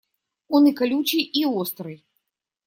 Он и колючий и острый.